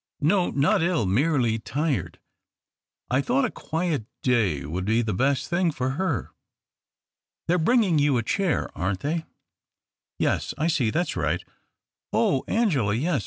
No — not ill — merely tired. I thought a quiet day would be the best thing for her. They are bringing you a chair, aren't they ? Yes, I see, that's right. Oh, Angela — yes